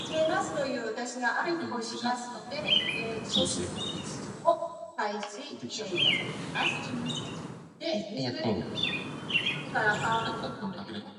It was originally named Boone, but the name was changed to Lehigh.